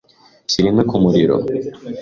Shyira inkwi ku muriro.